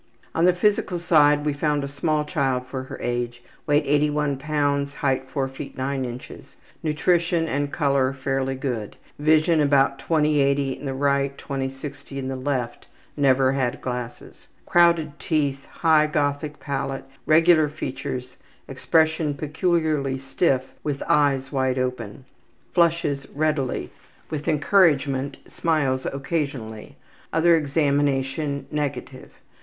On the physical side we found a small child for her age; weight 81 lbs., height 4 ft. 9 in. Nutrition and color fairly good. Vision about 20/80 R. and 20/60 L.; never had glasses. Crowded teeth. High Gothic palate. Regular features. Expression peculiarly stiff with eyes wide open. Flushes readily. With encouragement smiles occasionally. Other examination negative.